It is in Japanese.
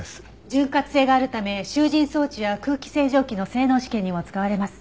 潤滑性があるため集じん装置や空気清浄機の性能試験にも使われます。